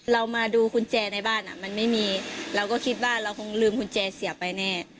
เรามาดูกุญแจในบ้านมันไม่มีเราก็คิดว่าเราคงลืมกุญแจเสียไปแน่